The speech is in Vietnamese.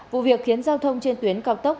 vụ việc khiến giao thông trên tuyến cao tốc